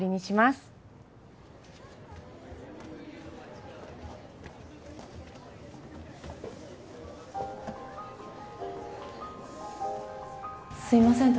すいません